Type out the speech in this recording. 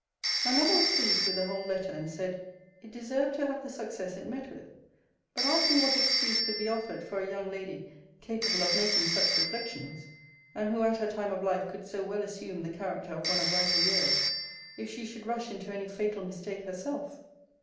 My mother was pleased with the whole letter; and said, It deserved to have the success it met with. But asked me what excuse could be offered for a young lady capable of making such reflections (and who at her time of life could so well assume the character of one of riper years) if she should rush into any fatal mistake herself?